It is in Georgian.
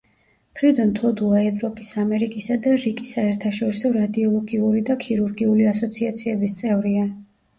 ფრიდონ თოდუა ევროპის, ამერიკისა და რიგი საერთაშორისო რადიოლოგიური და ქირურგიული ასოციაციების წევრია.